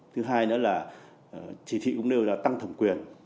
thứ hai nữa là chỉ thị cũng nêu là tăng thẩm quyền